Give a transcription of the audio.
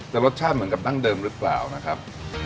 รสชาติเหมือนกับดั้งเดิมหรือเปล่านะครับ